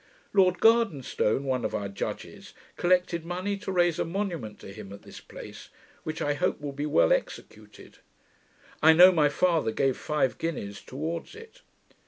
Lord Gardenston, one of our judges, collected money to raise a monument to him at this place, which I hope will be well executed. I know my father gave five guineas towards it.